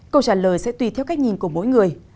câu trả lời sẽ tùy theo cách nhìn của mỗi người